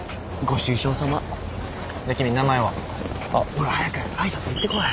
ほら早く挨拶行ってこい。